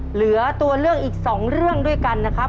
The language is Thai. เหลือตัวเลือกอีก๒เรื่องด้วยกันนะครับ